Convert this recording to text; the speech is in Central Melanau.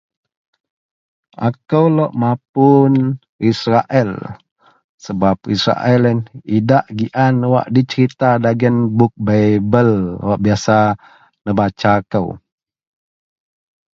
akou lok mapun isreal, sebab isreal ien idak giaan di serita dagen bup bible wak biasa nebaca kou